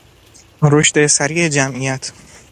رشد سریع جمعیت